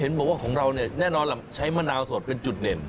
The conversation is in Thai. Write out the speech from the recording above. บอกว่าของเราเนี่ยแน่นอนล่ะใช้มะนาวสดเป็นจุดเด่น